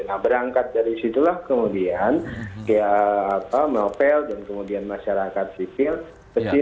nah berangkat dari situlah kemudian novel dan kemudian masyarakat sipil kecil